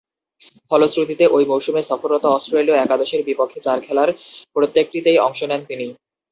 ফলশ্রুতিতে, ঐ মৌসুমে সফররত অস্ট্রেলীয় একাদশের বিপক্ষে চার খেলার প্রত্যেকটিতেই অংশ নেন তিনি।